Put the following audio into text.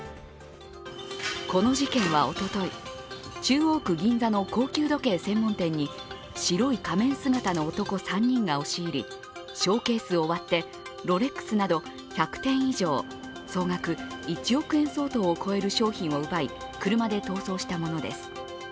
この事件はおととい、中央区銀座の高級時計専門店に白い仮面姿の男３人が押し入りショーケースを割って、ロレックスなど１００点以上、総額１億円相当を超える商品を奪い車で逃走したものです。